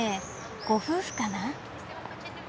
ご夫婦かな？